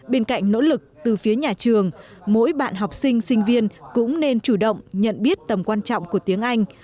bên cạnh nỗ lực từ phía nhà trường mỗi bạn học sinh sinh viên cũng nên chủ động nhận biết tầm quan trọng của tiếng anh